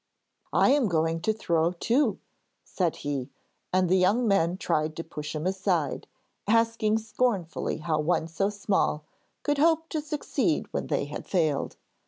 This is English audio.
'I am going to throw, too,' said he, and the young men tried to push him aside, asking scornfully how one so small could hope to succeed when they had failed.